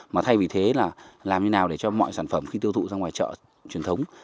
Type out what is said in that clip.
mà thay vì thế là làm như nào để cho mọi sản phẩm khi tiêu thụ ra ngoài chợ truyền thống